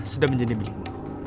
sudah menjadi milikmu